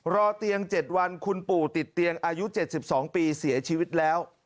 รอเตียง๗วันคุณปู่ติดเตียงอายุ๗๒ปีเสียชีวิตแล้ว